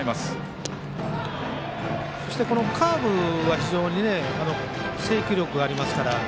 カーブは非常に制球力がありますから。